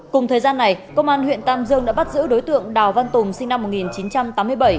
cùng thời gian này công an huyện tam dương đã bắt giữ đối tượng đào văn tùng sinh năm một nghìn chín trăm tám mươi bảy